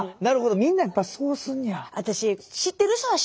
みんなやっぱそうすんねや。